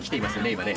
今ね。